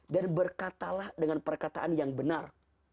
dan berkatalah dengan perkataan yang benar